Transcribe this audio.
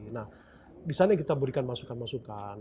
nah disana kita berikan masukan masukan